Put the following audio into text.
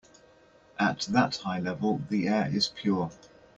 At that high level the air is pure.